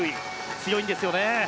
強いんですよね。